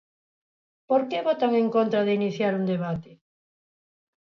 ¿Por que votan en contra de iniciar un debate?